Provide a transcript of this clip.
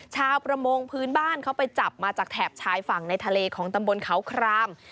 ชาวประมงพื้นบ้านเขาไปจับมาจากแถบชายฝั่งในทะเลของตำบลเขาคราม